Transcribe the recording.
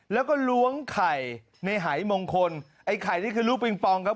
แล้วก็ล้วงไข่ในหายมงคลไอ้ไข่นี่คือลูกปิงปองครับ